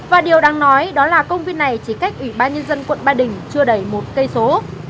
và điều đáng nói đó là công viên này chỉ cách ủy ban nhân dân quận ba đình chưa đầy một cây số